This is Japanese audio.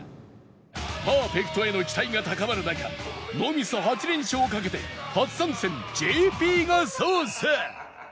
パーフェクトへの期待が高まる中ノーミス８連勝をかけて初参戦 ＪＰ が捜査